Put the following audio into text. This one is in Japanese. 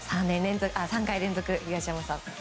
３回連続、東山さん。